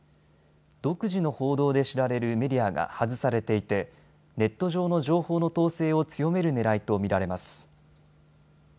独自の報道で知られるメディアが外されていてネット上の情報の統制を強めるねらいと見られます。